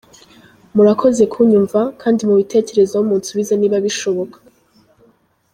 Murakoze kunyumva kdi mubitekerezeho munsubize niba bishoboka.